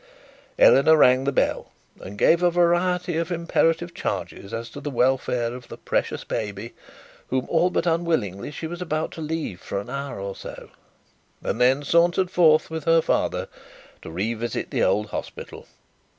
Eleanor rang the bell, and gave a variety of imperative charges as to the welfare of the precious baby, whom, all but unwillingly, she was about to leave for an hour or so, and then sauntered forth with her father to revisit the old hospital.